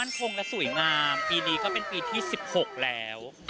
คงและสวยงามปีนี้ก็เป็นปีที่๑๖แล้ว